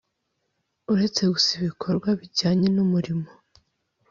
uretse gusa ibikorwa bijyanye n umurimo